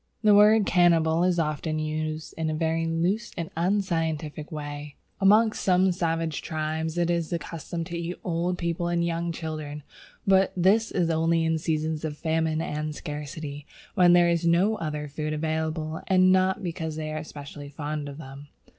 The word cannibal is often used in a very loose and unscientific way. Amongst some savage tribes it is the custom to eat old people and young children; but this is only in seasons of famine and scarcity, when there is no other food available, and not because they are specially fond of them.